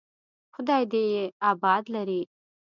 خداى دې يې اباد لري.